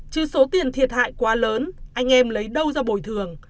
chứ số tiền thiệt hại quá lớn anh em lấy đâu ra bồi thường